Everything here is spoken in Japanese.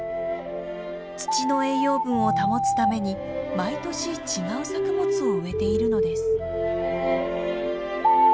土の栄養分を保つために毎年違う作物を植えているのです。